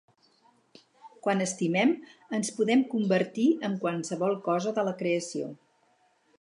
Quan estimem, ens podem convertir en qualsevol cosa de la Creació.